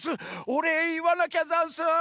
おれいいわなきゃざんす！